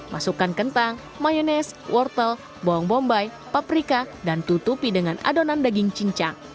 masukkan kentang mayonese wortel bawang bombay paprika dan tutupi dengan adonan daging cincang